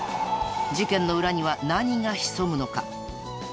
［事件の裏には何が潜むのか］